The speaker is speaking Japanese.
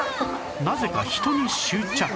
なぜか人に執着